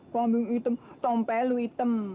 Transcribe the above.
kambing hitam tompel lu hitam